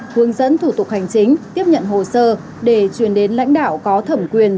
hướng dẫn thủ tục hành chính tiếp nhận hồ sơ để truyền đến lãnh đạo có thẩm quyền